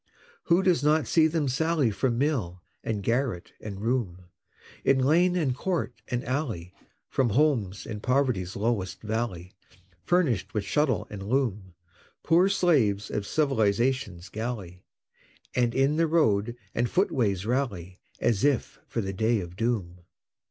Who does not see them sally From mill, and garret, and room, In lane, and court and alley, From homes in poverty's lowest valley, Furnished with shuttle and loom Poor slaves of Civilization's galley And in the road and footways rally, As if for the Day of Doom?